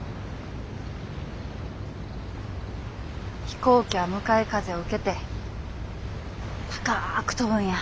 飛行機は向かい風を受けて高く飛ぶんや。